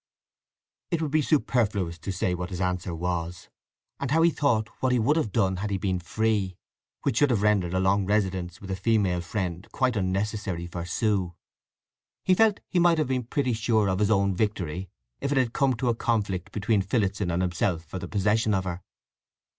It would be superfluous to say what his answer was; and how he thought what he would have done had he been free, which should have rendered a long residence with a female friend quite unnecessary for Sue. He felt he might have been pretty sure of his own victory if it had come to a conflict between Phillotson and himself for the possession of her.